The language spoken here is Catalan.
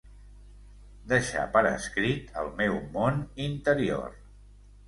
Deixar per escrit el meu món interior.